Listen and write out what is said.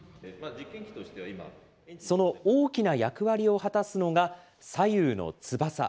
その大きな役割を果たすのが、左右の翼。